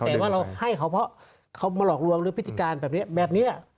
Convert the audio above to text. แต่ว่าเราให้เขาเพราะเขามาหลอกลวงด้วยพฤติการแบบนี้